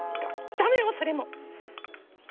ダメよそれも。